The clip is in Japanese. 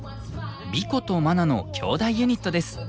ビコとマナのきょうだいユニットです。